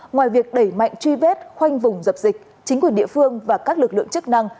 ngoài việc đẩy mạnh truy vết khoanh vùng dập dịch chính quyền địa phương và các lực lượng chức năng